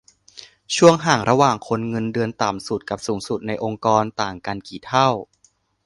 ช่วงห่างระหว่างคนเงินเดือนต่ำสุดกับสูงสุดในองค์กรต่างกันกี่เท่า